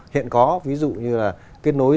hiện có ví dụ như là kết nối